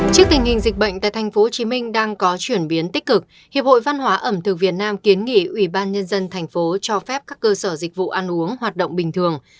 trước tình hình dịch bệnh tại tp hcm đang có chuyển biến tích cực hiệp hội văn hóa ẩm thực việt nam kiến nghỉ ubnd tp cho phép các cơ sở dịch vụ ăn uống hoạt động bình thường